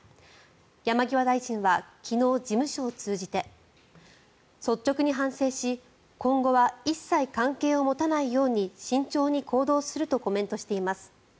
山際大臣は昨日、事務所を通じて率直に反省し今後は一切関係を持たないように慎重に行動するとコメントしています。